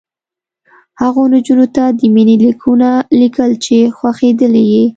هغو نجونو ته د مینې لیکونه لیکل چې خوښېدلې یې